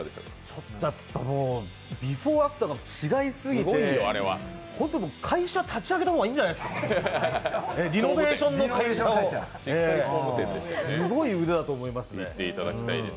ビフォー・アフターが違いすぎて、ほんと会社立ち上げた方がいいんじゃないですか、リノベーションの会社をすごい腕だと思いますね。